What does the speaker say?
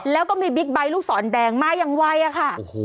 แล้วก็มีบิ๊กไบท์ลูกศรแดงมาอย่างไวอะค่ะ